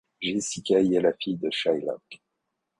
Jessica y est la fille de Shylock.